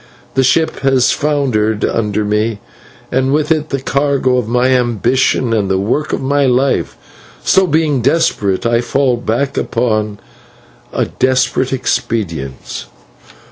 The ship has foundered under me, and with it the cargo of my ambitions and the work of my life; so, being desperate, I fall back upon a desperate expedient.